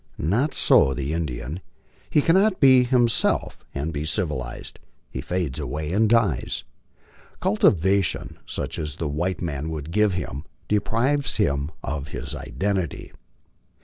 Not so the Indian. He cannot be himself and be civilized; he fades away and dies. Cultivation such as the 1 white man would give him deprives him of his identity.